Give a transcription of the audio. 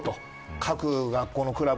各学校のクラブ。